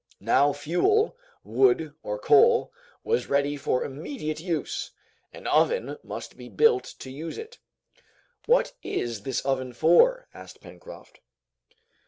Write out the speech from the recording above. Now fuel, wood or coal, was ready for immediate use, an oven must be built to use it. "What is this oven for?" asked Pencroft.